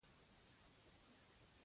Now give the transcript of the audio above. زه ستا د کور زینو ته مخامخ کور کې اوسېدم.